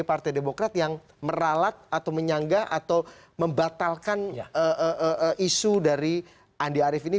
partai demokrat yang meralat atau menyangga atau membatalkan isu dari andi arief ini